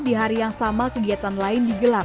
di hari yang sama kegiatan lain digelar